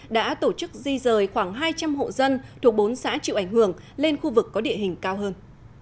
đã tổ chức di rời khoảng hai trăm linh hộ dân thuộc bốn xã chịu ảnh hưởng lên khu vực có địa hình cao hơn